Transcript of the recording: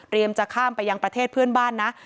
จะข้ามไปยังประเทศเพื่อนบ้านนะ